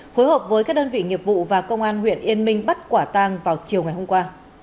phối hợp với các đơn vị nghiệp vụ và công an huyện yên minh bắt quả tang vào chiều ngày hôm qua